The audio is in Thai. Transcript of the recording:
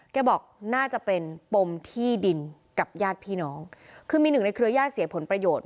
บอกน่าจะเป็นปมที่ดินกับญาติพี่น้องคือมีหนึ่งในเครือญาติเสียผลประโยชน์